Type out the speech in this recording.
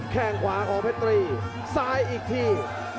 แค่งขวาของเพชรตรีซ้ายอีกที